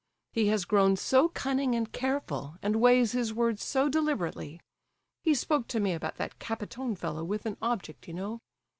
He has grown so cunning and careful, and weighs his words so deliberately; he spoke to me about that Kapiton fellow with an object, you know!